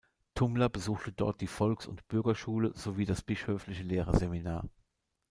Tumler besuchte dort die Volks- und Bürgerschule sowie das Bischöfliche Lehrerseminar.